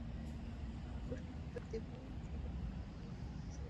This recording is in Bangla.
আমার প্রশ্নের উত্তর দিবে না কি আমাকে সিরিয়াস হতে হবে?